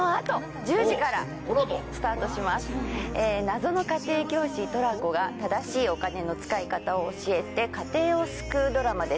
謎の家庭教師トラコが正しいお金の使い方を教えて家庭を救うドラマです。